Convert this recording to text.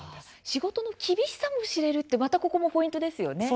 仕事の厳しさも知れるってまたここもポイントですよね。